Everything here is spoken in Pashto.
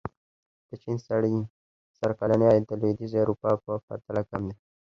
د چین سړي سر کلنی عاید د لوېدیځې اروپا په پرتله کم دی.